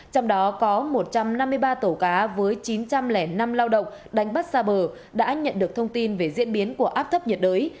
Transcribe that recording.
trong đó có một trăm năm mươi ba tàu cá với chín trăm linh năm lao động đánh bắt xa bờ đã nhận được thông tin về diễn biến của áp thấp nhiệt đới